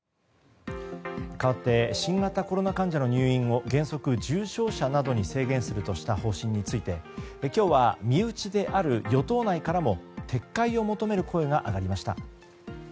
かわって新型コロナ患者の入院を原則、重症者などに制限するとした方針について今日は身内である与党内からも撤回を求める声が上がりました。